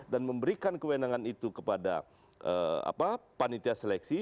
dan memberikan kewenangan itu kepada panitia seleksi